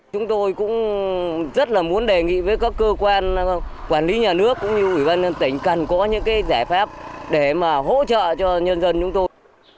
chúng tôi cũng rất là muốn đề nghị với các cơ quan quản lý nhà nước cũng như ủy ban nhân tỉnh cần có những cái giải pháp để mà hỗ trợ cho nhân dân chúng tôi